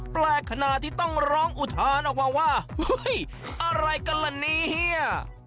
แปลกขนาดที่ต้องร้องอุทานออกมาว่าเฮ้ยอะไรกันล่ะเนี่ย